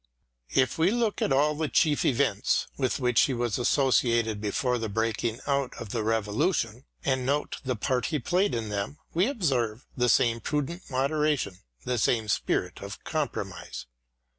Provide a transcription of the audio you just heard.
If we look at all the chief events with which he was associated before the breaking out of the Revolution and note the part he played in them, we observe the same prudent inoderation, the same spirit of compromise.